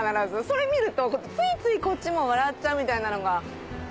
それ見るとついついこっちも笑っちゃうみたいなのが。